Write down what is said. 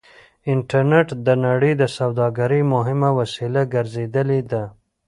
انټرنټ د نړۍ د سوداګرۍ مهمه وسيله ګرځېدلې ده.